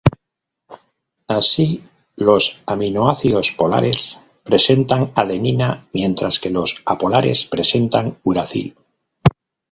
Así los aminoácidos polares presentan adenina mientras que los apolares presentan uracilo.